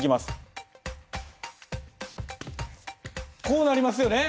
こうなりますよね？